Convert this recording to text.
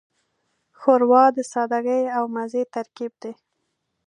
ښوروا د سادګۍ او مزې ترکیب دی.